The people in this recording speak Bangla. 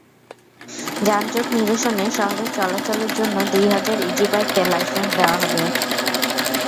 যানজট নিরসনে শহরে চলাচলের জন্য দুই হাজার ইজিবাইককে লাইসেন্স দেওয়া হবে।